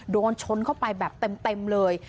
โดนชนเข้าไปแบบเต็มเลย